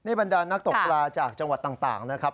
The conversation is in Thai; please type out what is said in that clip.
นี่เป็นดาวนักตกปลาจากจังหวัดต่างนะครับ